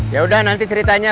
yaudah nanti ceritanya